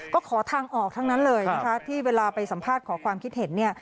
ก็ขอทางออกทั้งนั้นเลยนะคะที่เวลาไปสัมภาษณ์ขอความคิดเห็นเนี่ย